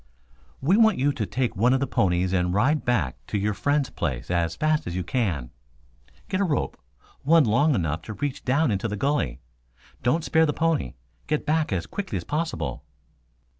"We want you to take one of the ponies and ride back to your friend's place as fast as you can. Get a rope, one long enough to reach down into the gully. Don't spare the pony. Get back as quickly as possible."